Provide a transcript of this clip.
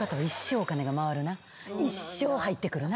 一生入ってくるな。